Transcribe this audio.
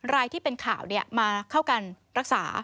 รายที่เป็นข่าวมาเข้ากันรักษา